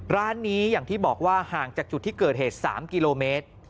ร้านนี้อย่างที่บอกว่าห่างจากจุดที่เกิดเหตุ๓กิโลเมตร